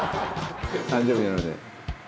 「誕生日なので」